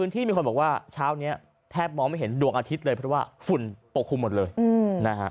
ที่มีคนบอกว่าเช้านี้แทบมองไม่เห็นดวงอาทิตย์เลยเพราะว่าฝุ่นปกคลุมหมดเลยนะฮะ